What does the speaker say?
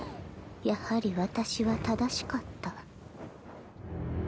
やはり私は正しかった。